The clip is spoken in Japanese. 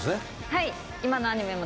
はい。